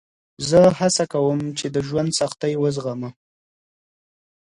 زه هڅه کوم چې د ژوند سختۍ وزغمه.